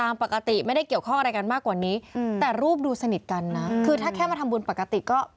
ปกติไม่ได้เกี่ยวข้องอะไรกันมากกว่านี้แต่รูปดูสนิทกันนะคือถ้าแค่มาทำบุญปกติก็